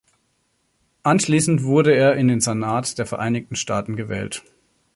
Anschließend wurde er in den Senat der Vereinigten Staaten gewählt.